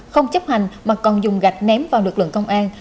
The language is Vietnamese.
không chấp hành mà còn dùng gạch ném vào lực lượng công an